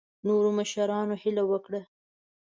نورو مشرانو هیله وکړه.